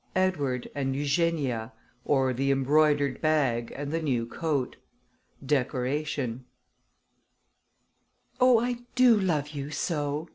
EDWARD AND EUGENIA; OR THE EMBROIDERED BAG AND THE NEW COAT. "Oh! I do love you so!"